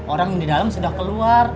orang di dalam sudah keluar